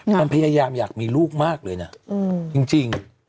มันพยายามอยากมีลูกมากเลยนะจริง